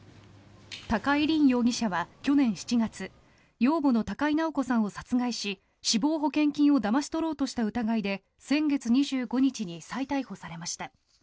高井凜容疑者は去年７月養母の高井直子さんを殺害し死亡保険金をだまし取ろうとした疑いで先月２５日に再逮捕されました。